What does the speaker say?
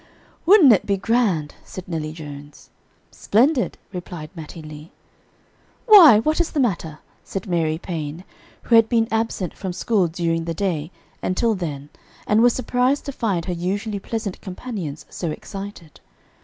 "Would'nt it be grand," said Nellie Jones. "Splendid," replied Mattie Lee. "Why! what is the matter?" said Mary Paine, who had been absent from school during the day until then and was surprised to find her usually pleasant companions so excited.